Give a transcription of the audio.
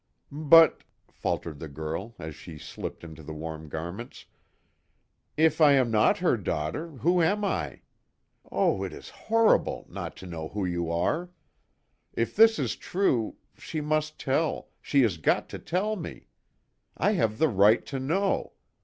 "But," faltered the girl, as she slipped into the warm garments, "If I am not her daughter, who am I? Oh, it is horrible not to know who you are! If this is true she must tell she has got to tell me! I have the right to know!